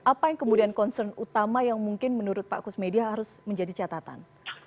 apa yang kemudian concern utama yang mungkin menurut pak kusmedia harus menjadi catatan